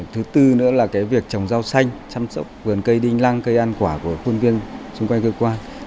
thứ tư nữa là việc trồng rau xanh chăm sóc vườn cây đinh lăng cây ăn quả của khuôn viên xung quanh cơ quan